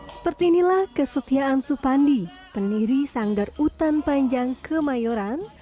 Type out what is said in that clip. seperti inilah kesetiaan supandi pendiri sanggar utan panjang kemayoran